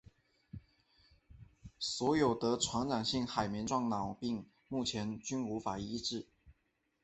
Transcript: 所有得传染性海绵状脑病目前均无法医治。